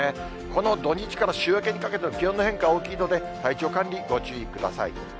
この土日から週明けにかけての気温の変化大きいので、体調管理にご注意ください。